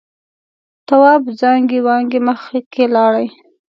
تواب زانگې وانگې مخکې لاړ.